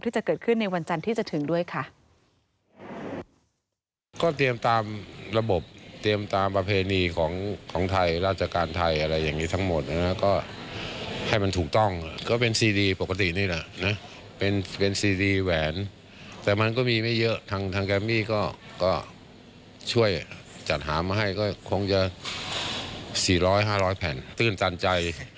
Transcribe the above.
ที่จะเกิดขึ้นในวันจันทร์ที่จะถึงด้วยค่ะ